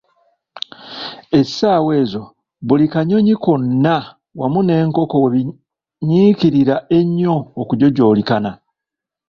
Essaawa ezo buli kanyonyi konna wamu n'enkoko we binyiikirira ennyo okujojoolikana.